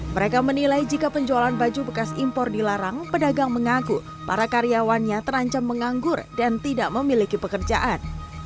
mereka menilai jika penjualan baju bekas impor dilarang pedagang mengaku para karyawannya terancam menganggur dan tidak memiliki pekerjaan